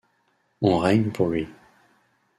On règne pour lui.